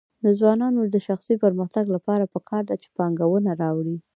د ځوانانو د شخصي پرمختګ لپاره پکار ده چې پانګونه راوړي.